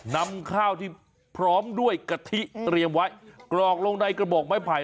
นำข้าวที่พร้อมด้วยกะทิเตรียมไว้กรอกลงในกระบอกไม้ไผ่